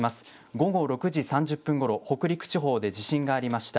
午後６時３０分ごろ、北陸地方で地震がありました。